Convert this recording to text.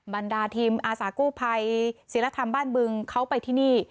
บรรดาทีมอาสากู้ภัยศิลธรรมบ้านบึงเขาไปที่นี่